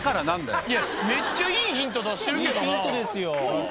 めっちゃいいヒント出してるけどな。